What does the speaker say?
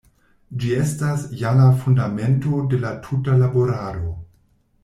Ĝi estas ja la fundamento de la tuta laborado.